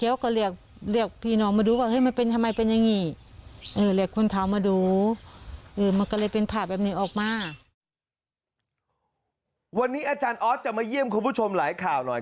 วันนี้อาจารย์ออสจะมาเยี่ยมคุณผู้ชมหลายข่าวหน่อย